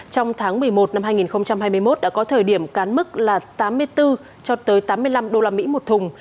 trong tháng một mươi một năm hai nghìn hai mươi một đã có thời điểm cán mức là tám mươi bốn cho tới tám mươi năm usd một thùng